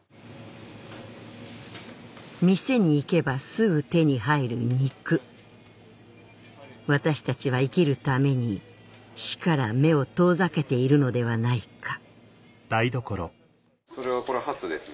店に行けばすぐ手に入る肉私たちは生きるために死から目を遠ざけているのではないか